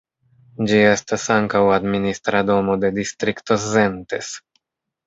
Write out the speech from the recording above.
Ĝi estas ankaŭ administra domo de Distrikto Szentes.